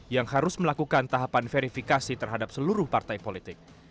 yang harus melakukan tahapan verifikasi terhadap seluruh partai politik